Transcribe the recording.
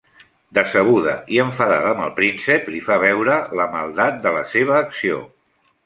Decebuda i enfadada amb el príncep li fa veure la maldat de la seva acció.